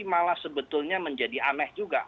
malah sebetulnya menjadi aneh juga